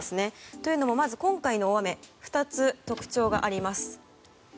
というのも、今回の大雨には２つ特徴があります。